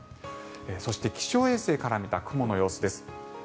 そして気象衛星から見た雲の様子です。